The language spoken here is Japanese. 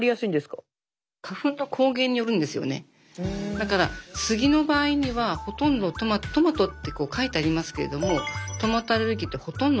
だからスギの場合にはほとんどトマトってこう書いてありますけれどもトマトアレルギーってほとんどいないんですよね。